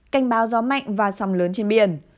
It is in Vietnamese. cảnh báo gió mạnh và sóng lớn trên biển